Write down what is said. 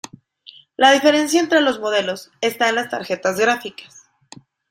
La diferencia entre los modelos está en las tarjetas gráficas.